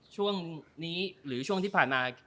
ช่วงนี้หรือช่วงที่ผ่านมา